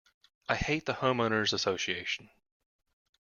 I hate the Homeowners' Association.